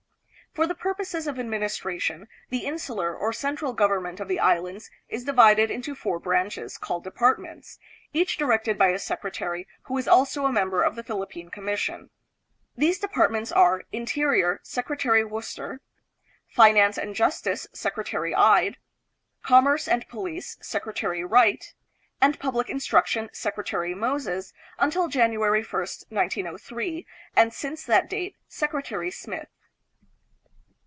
For the purposes of admin istration, the insular, or central government of the Islands is divided into four branches, called departments, each directed by a secretary who is also a member of the Phil ippine Commission. These departments are, interior, Sec retary Worcester; finance and justice, Secretary Ide; com merce and police, Secretary Wright; and public instruc tion, Secretary Moses, until January 1, 1903, and since 312 THE PHILIPPINES. that date Secretary Smith.